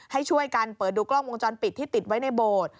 ให้ช่วยกันเปิดดูกล้องวงจรปิดที่ติดไว้ในโบสถ์